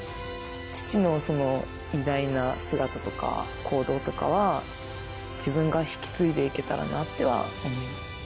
父の偉大な姿とか、行動とかは、自分が引き継いでいけたらなとは思います。